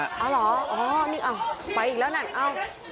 อ๋อหรออ๋อนี่อ่ะไปอีกแล้วนะอ้าว